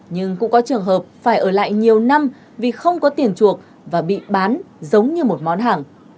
nhưng cũng có trường hợp phải ở lại nhiều năm vì không có tiền chuộc và bị bán giống như một món hàng